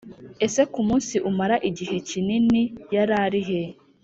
Ese ku munsi umara igihe kinini yararihe